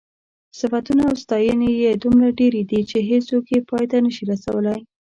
صفتونه او ستاینې یې دومره ډېرې دي چې هېڅوک یې پای ته نشي رسولی.